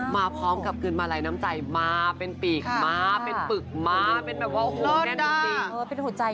มาพร้อมกับคืนมาลัยน้ำใจมาเป็นปีกมาเป็นปึกมาเป็นแบบว่าโอ้โหแน่นอนปีก